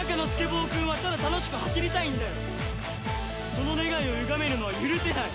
その願いをゆがめるのは許せない！